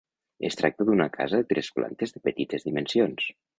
Es tracta d'una casa de tres plantes de petites dimensions.